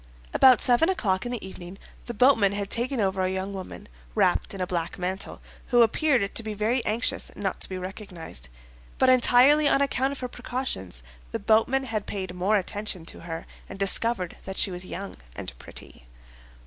About seven o'clock in the evening, the boatman had taken over a young woman, wrapped in a black mantle, who appeared to be very anxious not to be recognized; but entirely on account of her precautions, the boatman had paid more attention to her and discovered that she was young and pretty.